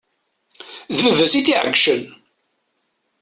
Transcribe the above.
D baba-s i t-iɛeggcen.